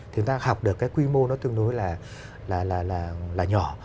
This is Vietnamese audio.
thì người ta học được cái quy mô nó tương đối là nhỏ